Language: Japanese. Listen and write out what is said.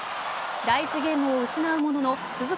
第１ゲームを失うものの続く